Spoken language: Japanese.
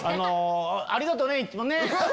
ありがとねいつもね。